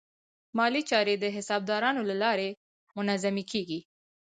مالي چارې د حسابدارانو له لارې منظمې کېږي.